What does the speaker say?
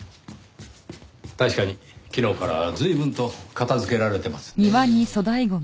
確かに昨日から随分と片づけられてますねぇ。